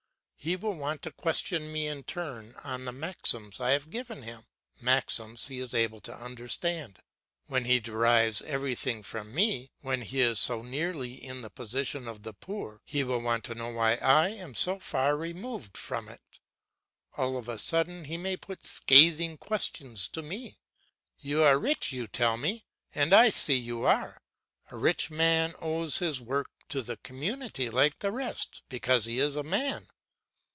He will want to question me in turn on the maxims I have given him, maxims he is able to understand. When he derives everything from me, when he is so nearly in the position of the poor, he will want to know why I am so far removed from it. All of a sudden he may put scathing questions to me. "You are rich, you tell me, and I see you are. A rich man owes his work to the community like the rest because he is a man.